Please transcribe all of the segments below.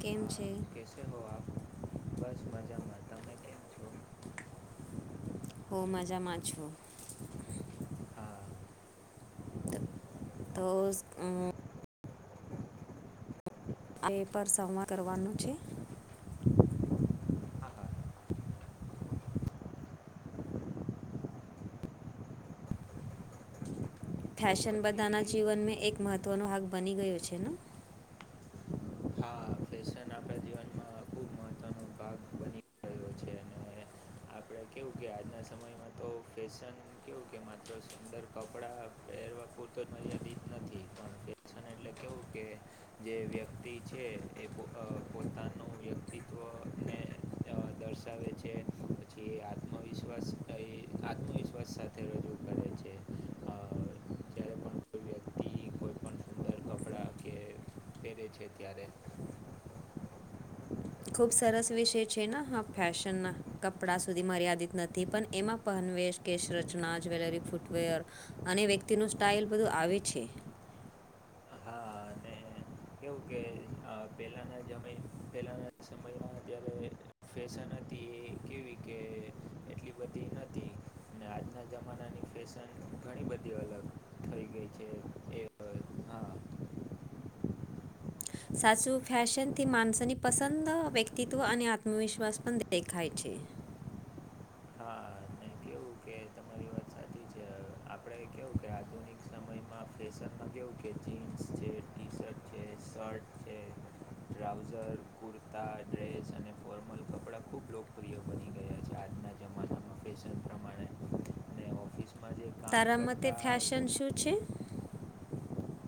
કેમ છે. કેસે હો આપ બસ મજા મારતા મેં ક. હો મજા મા છ હો. હા. તો તો. આ એ પર સંવાદ કરવાનું છે. હા હા તો ફેશન બધાના પછી જીવન મે એક મહત્ત્વનો હક બની ગયો છે ને. હા ફેશન આપણે. જીવનમાં ખુબ મહત્વનું. કાત બની રહ્યો છે અને. આપણે કેવું કે આજના સમયમાં તો કેસન. કેવું કે માત્ર સુંદર કપડા પહેરવા પૂરતો જ મર્યાદિત નથી પણ. એટલે કેવું કે. જે વ્યક્તિ છે એ પોતાનું વ્યક્તિત્વને અ દર્શાવે છે. જે આત્મવિશ્વાસ એ આત્મવિશ્વાસ સાથે રજૂ કરે છે. જ્યારે પણ કોઈ વ્યક્તિ કોઈ પણ સુંદર કપડાં કે પહેરે છે ત્યારે. ખૂબ સરસ વિષય છે હા ફેશનના. કપડા સુધી મર્યાદિત નથી પણ એમાં પનવેશ કેસ રચના જ્વેલરી ફૂટવેર. અને વ્યક્તિનું સ્ટાઇલ બધું આવે છે. હા અને કેવું કે પહેલાંના જય પહેલાંના સમયમાં જ્યારે. ફેશન હતી એ કેવી કે એટલી બધી નથી ને આજના જમાનાની ફેશન. ઘણી બધી અલગ થઈ ગઈ છે એ. હા. સાચું ફેશનથી માણસોની પસંદ વ્યક્તિત્વ અને આત્મવિશ્વાસ પણ દેખાય છે. હા ને કેવું કે તમારી વાત સાચી છે આપડે. એ કે આધુનિક સમયમાં ફેશનમાં કેવું કે જીન્સ છે, ટી-શર્ટ છે, શર્ટ. છે ટ્રાઉઝર, કુર્તા, ડ્રેસ અને ફોર્મલ કપડાં ખૂબ લોકો પ્રિય બની ગયા છે આજના જમાનામાં ફેશન પ્રમાણે [inaudible] માજ કામ કર તે ફશન શો છે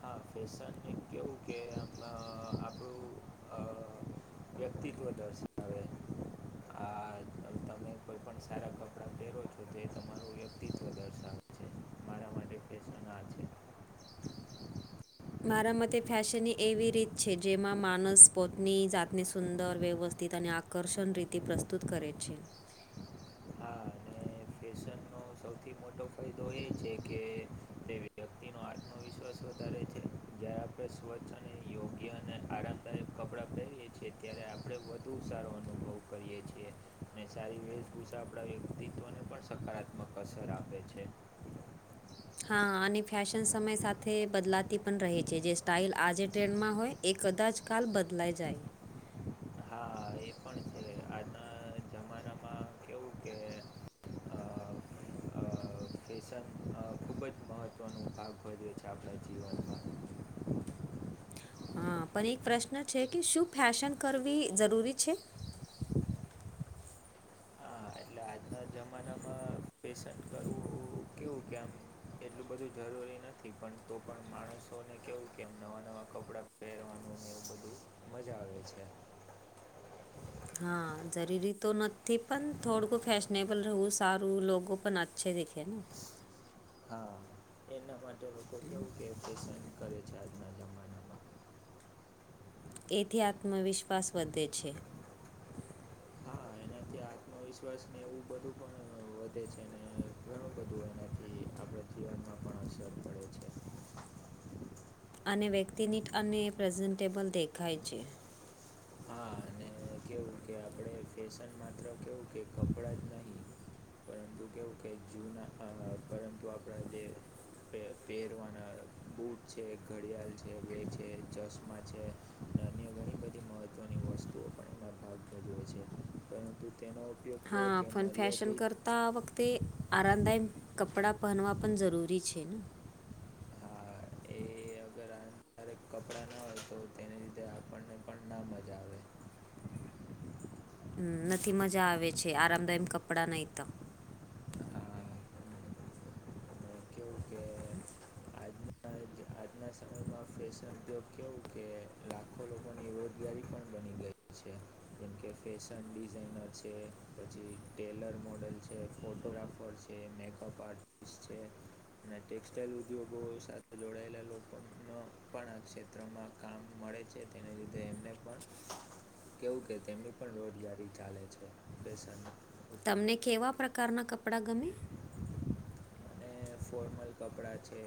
હ ફેસને કેવું કે આમ આપણું વ્યક્તિત્વ દર્શન. હવે હા. આ તમે કોઈપણ સારા કપડાં પહેરો છો તો એ તમારું વ્યક્તિત્વ દર્શાવો. મારા માટે પ્રચન આ છે. [unintelligible] મારા મતે ફેશનની એવી રીત છે જેમાં માણસ પોતની જાતને સુંદર, વ્યવસ્થિત અને આગ આકર્ષણ રીતે પ્રસ્તુત કરે છે. હા, અને ફેશન નો સૌથી મોટો ફાયદો એ છે કે વ્યક્તિ નો આત્મવિશ્વાસ વધારે છે. આપણે સ્વચ્છ, અને યોગ્ય અને આરામદાયક કપડાં પહેરીએ છીએ ત્યારે આપણે વધુ સારો અનુભવ કરીએ છીએ. અને સારી વેશભૂષા આપણા વ્યક્તિત્વને પણ સકારાત્મક અસર આપે છે. હા, અને ફેશન સમય સાથે બદલાતી પણ રહે છે. જે સ્ટાઇલ આજે ટ્રેન્ડમાં હોય. એ કદાચ કાલ બદલાઈ જાય. [unintelligible] હા, એ પણ છે. આના જમાનામાં એવું કે [unintelligible] ફેશન ખૂબ જ મહત્ત્વનો ભાગ ભજવે છે આપણા જીવનમાં. [unintelligible] હા, પણ એક પ્રશ્ન છે કે શું ફેશન કરવી જરૂરી છે? હા, એટલે આજના જમાનામાં ફેશન કરવું કેવું કે આમ. એટલું બધું જરૂરી નથી, પણ તો પણ માણસોને કેવું કેમ નવા નવા કપડાં પહેરવાનું ને એવું [unintelligible] મજા આવે છે. હા, જરૂરી તો નથી, પણ થોડુંક ફૅેશનેબલ રહું સારું લોકો પણ અચ્છે દિખે. હા, એના માટે લોકો કેવું કે પસંદ કરે છે. આજના જ એથી આત્મવિશ્વાસ વધે છે. ત્યા આત્મવિશ્વાસ હી એવું બધું પણ વધે છે ને, ઘણું બધું એના એ આપણા જીવનમાં પણ અસર પડે છે. અને વ્યક્તિની અને પ્રેઝન્ટેબલ દેખાય છે. હા, અને કેવું કે આપણે ફેશન માત્ર કેવું કે કપડાં જ નહીં. પરંતુ, કેવું કે જૂના પરંતુ આપણા જે પહેરવાના બુટ છે, ઘડિયાળ છે, વેગ છે, ચશ્મા છે. નાન્ય, ઘણી બધી મહત્વની વસ્તુઓ પણ એમાં ભાગ ભજવે છે. પરંતુ તેનો ઉપયોગ કેવો કે મર્યાદિત તો આ વખતે આરામદાયક કપડાં પહેનવા પણ જરૂરી છે ને. હા એ. અગર આરેક કપડાં ના હોય તો, તેને લીધે આપણને પણ ના મજા આવે. [unintelligible] હ, નથી મજા આવે છે. આરામદાયમ કપડાં નહી તો આ [unintelligible] કેું કે આજ આજના સમયમાં. ફેશન્યોગ કેવું કે, લાખો લોકોની રોજગારી પણ બની ગઈ છે. જેમ કે ફેશન ડિઝાઇનર છે, પછી ટેલર મોડેલ છે, ફોટોગ્રાફર છે. કે મેકઅપ આર્ટ. [unintelligible] અને ટેક્સટાાઈલ ઉદ્યોગો સાથે જોડાયેલા લોકો ન પણ આ ક્ષેત્રમાં કામ મળે છે તેને લીધે એમને પણ કેવું કે તેમની પણ રોજગારી ચાલે છે પેશ તમને કેવા પ્રકારનાં કપડાં ગમે હ [inaudible] ફોર્મલ કપડાં છે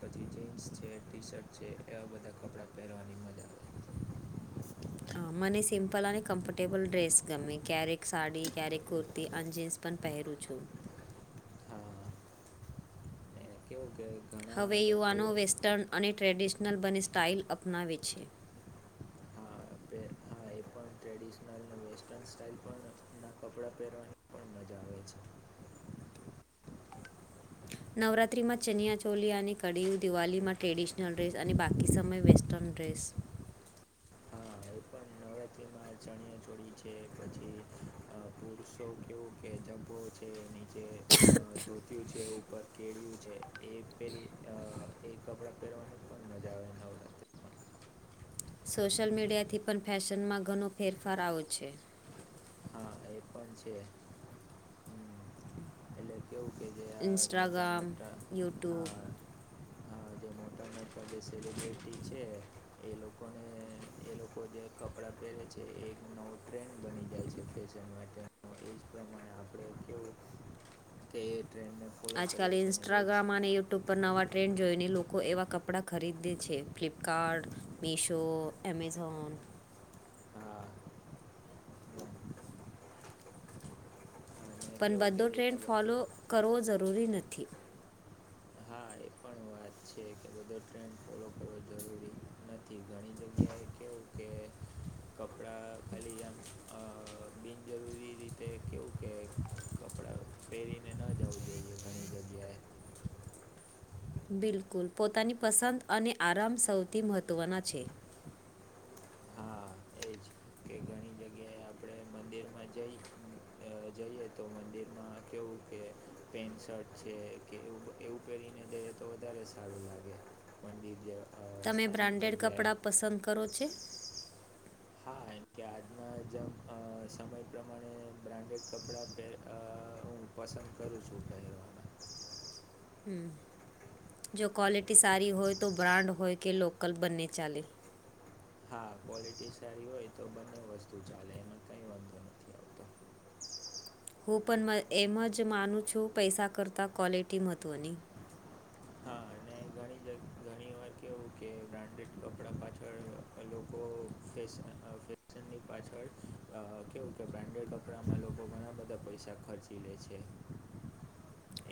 પછી જીન્સ છે ટી શર્ટ છે એવા બધા કપડા પહેરવાની મજા આવે [inaudible] હા મને સિમ્પલ અને કમ્ફર્ટેબલ ડ્રેસ ગમે ક્યારેક સાડી ક્યારેક કુર્તી અને જીન્સ પણ પહેરું છું હા ને કેવું કે ઘણા હવે લોકો યુવાનો વેસ્ટર્ન અને ટ્રેડિશનલ બને સ્ટાઇલ અપનાવે છે [inaudible] હા એ પણ ટ્રેડિશનલ વેસ્ટર્ન સ્ટાઇલ પણ ના કપડાં પહેરવાની પણ મજા આવે છે નવરાત્રીમાં ચનિયાચોલી અને કડીીયું દિવાળીમાં ટ્રેડિશનલ ડ્રેસ અને બાકી સમય વેસ્ટર્ન ડ ટ્રેસ હા હવે પણ નવરાત્રિમાં ચણિયા છોડી છે પછી પુરુષો કેવું કે જભો છે નીચે ધોતુ છે ઉપર કેળું છે એ પહેરી એ કપડાં પહેરવાની પણ મજા આવે ન આવતા સોશલ મીડિયા થી પણ ફેશનમાં ઘણો ફેરફાર આવો છે હા એ પણ છે હ એટલે કેવ કે જે મોટા ઇન્સ્ટાગ્રામ મોટા યુટ્યુબ હા હા જે મોટા મોટા જે સેલિબ્રિટી છે એ લોકોને એ લોકો જે કપડા પહેરે છે એ એક નવો ટ્રેન્ડ બની જાય છે ફેશન માટે એ જ પ્રમાણે આપણે કેવું કે એ ટ્રેન્ડ આજકાલ ઇન્સ્ટાગ્રામ અને યુટ્યુબ પર નવા ટ્રેન્ડ જોઈને લોકો એવા કપડાં ખરીદે છે ફ્લિપકાર્ટ મીશો એમેઝોન હા અને પણ કેવું કે બધો જે આ ટ્રેન્ડ બ- ફોલો કરવો જરૂરી નથી હા એ પણ હોયય ફોલો કરો જરૂરી નથી ઘણી જગ્યા એ કેવું કે કપડાં ખાલી આમ બિનજરૂરી રીતે કેવું કે કપડા પહેરીને ન જવું જોઈએ ઘણી જગ્યાએ બિલકુલ પોતાની પસંદ અને આરામ સૌથી મહત્ત્વના છે હા એજ કે ઘણી જગ્યાએ આપણે મંદિર માં જઈ જઈએ તો મંદિરમાં કેવું કે પેન્ટ શર્ટ છે કે એવ એવું પહેરીને જઈએ તો વધારે સારું લાગે મંદી જ તમે બ્રાન્ડેડ કપડાં પસંદ કરો છેો હા માં જેમ સમય પ્રમાણે બ્રાન્ડેડ કપડાં પહે પસંદ કરું છું પહેરો હ જો ક્વોલિટી સારી હોય તો બ્રાન્ડ હોય કે લોકલ બંને ચાલે હા ક્વોલિટી સારી હોય તો બંને વસ્તુ ચાલે એમાં કઈ વાંધો નથી આવતો હું પણ એમ જ માનું છું પૈસા કરતાં ક્વૉલિટી મહત્ત્વની એ ઘણી જ ઘણી એ વાર કહેવું કે બ્રાન્ડેડ કપડાં પાછળ લોકો ફેશન ફેશનની પાછળ કેવું કે બ્રાન્ડેડ કપડામાં લોકો ઘણા બધા પૈસા ખર્ચે તીલેે છે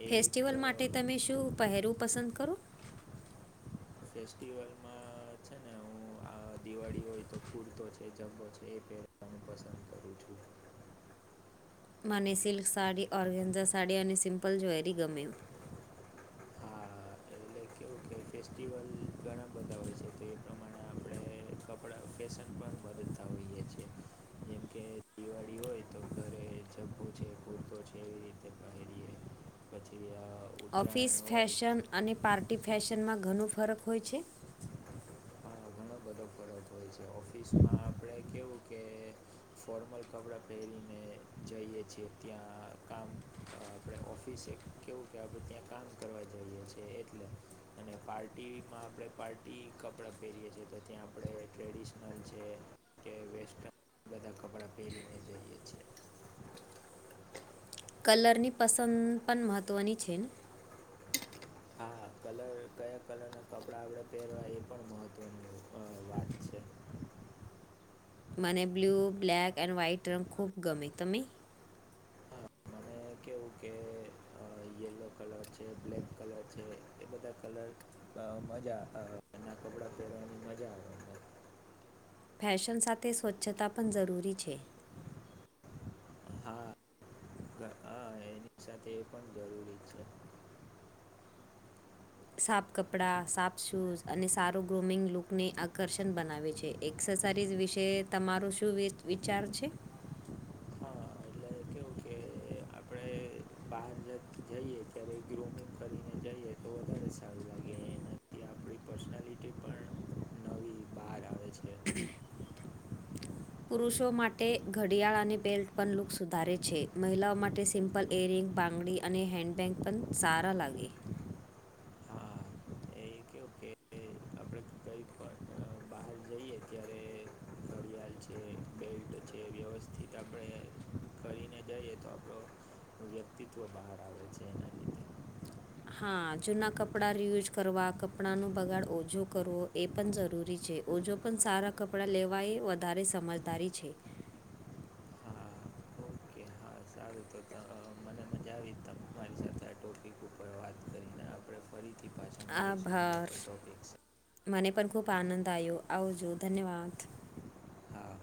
એ ફેસ્ટિવલ એક અ, માટે તમે શું પહેરવું પસંદ કરો ફેસ્ટિવલમાં છે ને [unintelligible] હું આ દિવાળી હોય તો કુર્તો છે જબો છે એ પહેરવાનું પસંદ કરું છું મને સિલ્ક સાડી ઓરગેન્ઝા સાડી અને સિમ્પલ જ્વેરી ગમે હા [unintelligible] એટલે કેવું કે ફેસ્ટિવલ ઘણા બધા હોય છે તો એ પ્રમાણે આપણે કપડાં કેેશન પર મદદતા હોઈએ છે જેમ કે દિવાળી હોય તો ઘરે જભું છે પૂરતો છે એવી રીતે હેરીએ પછી ઓફિસ ઉત્તરાયણ હોય ફેશન અને પાર્ટી ફેશનમાં ઘણું ફરક હોય છે ઘણો બધો ફરક હોય છે ઓફિસમાં આપણે કેવું કે ફોર્મલ કપડાં પહેરીને જઈએ છીએ ત્યાં કામ આપણે ઓફિસે કેવું કે આપણે ત્યાં કામ કરવા જઈએ છ છેએ એટલે અને પાર્ટી માં આપડે પાર્ટી કપડાં પહેરીએ છીએ તો ત્યાં આપણે ટ્રેડિશનલ છે કે વેસ્ટર્ન બધા કપડાં પહેરીને જઈએ છીએ કલરની પસંદ પણ મહત્ત્વની છે ને હા કલર કયા કલરના કપડા આપણે પહેરવા એ પણ મહત્વનું વાત છે મને બ્લુ બ્લેક એન્ડ વ્હાઈટ રંગ ખૂબ ગમે તમમે મે કવું કે અ યલો કલર છે બ્લેક કલર છે એ બધા કલર અ મજા એ ના કપડા પહેરવાની મજા આવે મને. ફેશન સાથે સ્વચ્છતા પણ જરૂરી છે હા હ એની સાથે એ પણ જરૂરી છે સાપ કપડાં સાપ શૂઝ અને સારો ગ્રુમિંગ લુકને આકર્ષણ બનાવે છે એક્સરસાઇઝ વિશે તમારું શું વિ વિચાર છે [inaudible] એટલે કેવું કે આપણે [unintelligible] બહાર જ જઈએ ત્યારે ગ્રુમિંગ કરીને જઈએ તો વધારે સારું લાગે એ આપણી પર્સનાલિટી પણ નવી બહાર આવે છે [unintelligible] પુરુષો માટે ઘડિયાળ અને બેલ્ટ પણ લુક સુધારે છે મહિલાઓ માટે સિમ્પ પલ એરિંગ બાંગડી અને હેન્ડબેગ પણ સારા લાગે હા એ કે કે આપડે કઈ પણ બહાર જઈ કે અત્યારે ઘડિયાળ છે બેલ્ટ છે વ્યવસ્થિત આપણે કરીને જઈએ તો આપણો વ્યક્તિત્વ બહાર આવે છે એના લીધે હા જૂના કપડાં રિયુઝ કરવા કપડાંનો બગાડ ઓછો કરવો એ પણ જરૂરી છે ઓજો પણ સારા કપડાં લેવાય એ વધારે સમજદારી છે હા ઓકે હા સારું તો મને મજા આવી ત મારી સાથે આ ટોપિક ઉપર વાત કરીને આપણે ફરીથી પાછા મળીશું બીજા આભાર કોઈ ટૉપિક્સ મને પણ ખૂબ આનંદ આવ્યો આવજો ધન્યવાદ હા